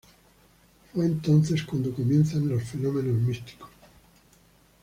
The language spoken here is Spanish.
Fue entonces cuando comienzan los fenómenos místicos.